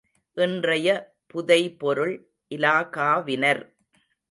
இன்றைய புதைபொருள் இலாகாவினர்.